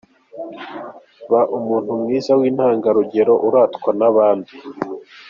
Ba umuntu mwiza w’intangarugero uratwa n’abandi.